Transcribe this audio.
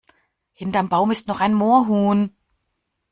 Hinterm Baum ist noch ein Moorhuhn!